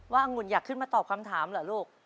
อังุ่นอยากขึ้นมาตอบคำถามเหรอลูก